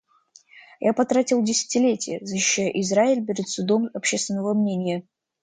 Я потратил десятилетия, защищая Израиль перед судом общественного мнения.